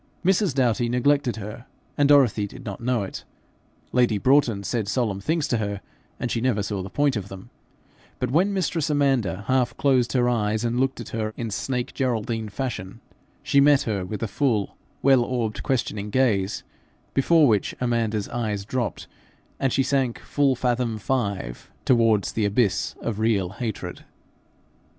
Mrs. Doughty neglected her, and Dorothy did not know it; lady Broughton said solemn things to her, and she never saw the point of them; but when mistress Amanda half closed her eyes and looked at her in snake Geraldine fashion, she met her with a full, wide orbed, questioning gaze, before which Amanda's eyes dropped, and she sank full fathom five towards the abyss of real hatred.